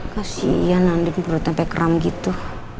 kasian andin buruk sampai keram gitu